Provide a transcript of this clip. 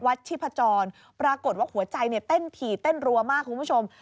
ชิพจรปรากฏว่าหัวใจเนี่ยเต้นถี่เต้นรัวมากคุณผู้ชม